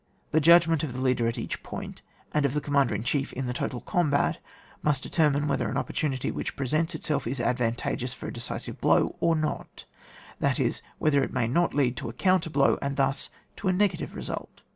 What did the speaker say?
The judgment of the leader at each point, and of the commander in chief in the total combat, must determine whether an opportunity which presents it self is advantageous for a decisive blow or not, that is, whether it may not lead to a counter blow, and thus to a negative result.